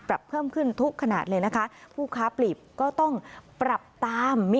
ปรับเพิ่มขึ้นทุกขนาดเลยนะคะผู้ค้าปลีบก็ต้องปรับตามมี